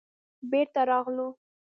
بېرته راغلو.